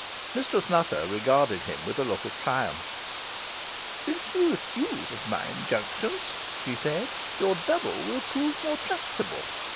Mistress Nutter regarded him with a look of triumph. "Since you refuse, with my injunctions," she said, "your double will prove more tractable.